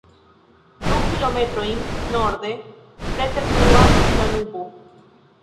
Du kilometrojn norde preterfluas Danubo.